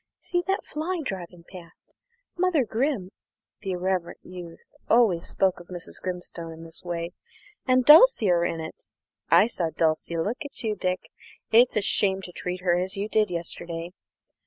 See that fly driving past? Mother Grim" (the irreverent youth always spoke of Mrs. Grimstone in this way) "and Dulcie are in it. I saw Dulcie look at you, Dick. It's a shame to treat her as you did yesterday.